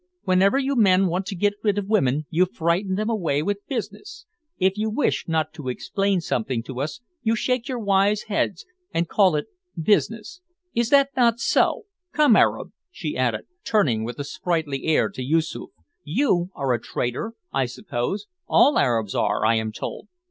"Whenever you men want to get rid of women you frighten them away with business! If you wish not to explain something to us, you shake your wise heads, and call it business! Is it not so? Come, Arab," she added, turning with a sprightly air to Yoosoof, "you are a trader, I suppose; all Arabs are, I am told.